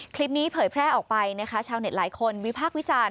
เผยแพร่ออกไปนะคะชาวเน็ตหลายคนวิพากษ์วิจารณ์